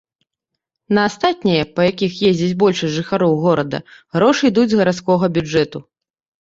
На астатнія, па якіх ездзіць большасць жыхароў горада, грошы ідуць з гарадскога бюджэту.